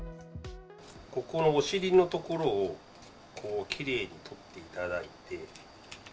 ここのお尻のところをきれいに取っていただいて。